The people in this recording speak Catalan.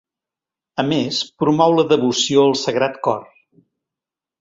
A més, promou la devoció al Sagrat Cor.